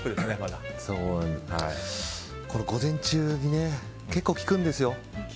午前中にね、結構効くんですよ。